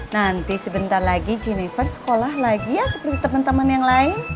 nanti sebentar lagi jennifer sekolah lagi ya seperti teman teman yang lain